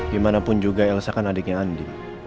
gimana pun juga elsa kan adiknya andi